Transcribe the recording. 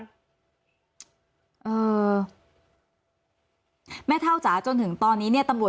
อือแม่เท่าจ๋าจนถึงตอนนี้นะฮะ